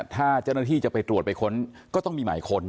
ถ้าเจ้าหน้าที่จะไปตรวจไปค้นก็ต้องมีหมายค้น